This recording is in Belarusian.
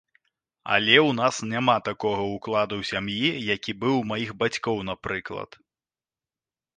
Але ў нас няма такога ўкладу ў сям'і, які быў у маіх бацькоў, напрыклад.